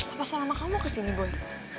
apa sama kamu kesini boy